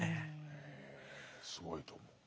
すごいと思う。